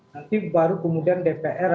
nanti baru kemudian dpr